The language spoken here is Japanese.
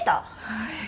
はい。